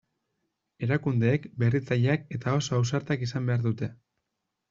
Erakundeek berritzaileak eta oso ausartak izan behar dute.